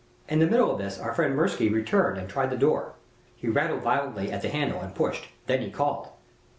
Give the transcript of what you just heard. In the middle of this our friend Mirsky returned and tried the door. He rattled violently at the handle and pushed. Then he called.